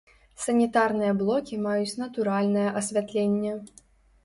Санітарныя блокі маюць натуральнае асвятленне.